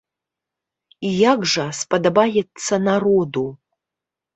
І як жа спадабацца народу?